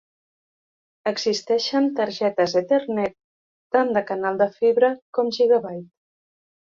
Existeixen targetes Ethernet tant de canal de fibra com Gigabit.